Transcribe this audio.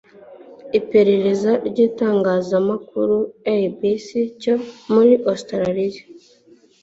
Iperereza ry'igitangazamakuru ABC cyo muri Australia